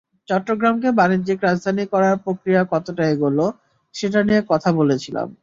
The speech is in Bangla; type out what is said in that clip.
চট্টগ্রামকে বাণিজ্যিক রাজধানী করার প্রক্রিয়া কতটা এগোল, সেটা নিয়ে কথা বলেছিলাম।